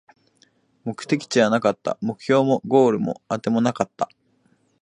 目的地はなかった、目標もゴールもあてもなかった